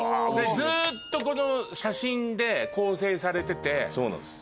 ずっとこの写真で構成されてて。